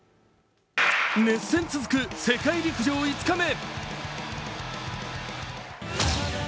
熱戦続く世界陸上５日目。